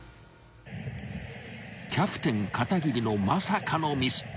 ［キャプテン片桐のまさかのミス］